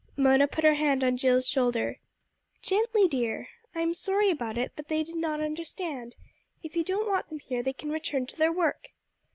Mona put her hand on Jill's shoulder. "Gently, dear! I am sorry about it, but they did not understand. If you don't want them here they can return to their work!"